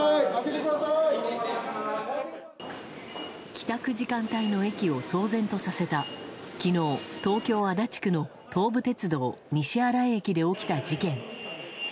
帰宅時間帯の駅を騒然とさせた昨日、東京・足立区の東武鉄道西新井駅で起きた事件。